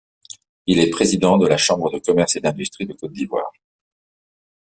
Il est président de la Chambre de commerce et d'industrie de Côte d'Ivoire.